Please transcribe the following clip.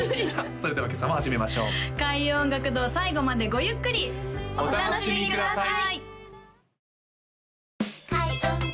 それでは今朝も始めましょう開運音楽堂最後までごゆっくりお楽しみください